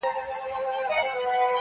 اوس به څوك د هندوكش سندري بولي-